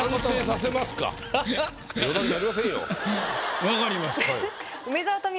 分かりました。